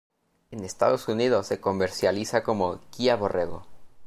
En Estados Unidos se comercializa como Kia Borrego.